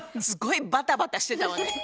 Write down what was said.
すごいバタバタしてたわね。